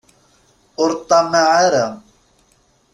Ur ṭṭamaɛ ara.